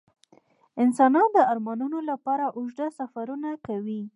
انسانان د ارمانونو لپاره اوږده سفرونه کوي.